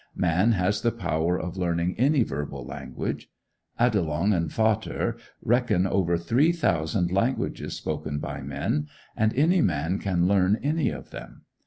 Man has the power of learning any verbal language. Adelung and Vater reckon over three thousand languages spoken by men, and any man can learn any of them.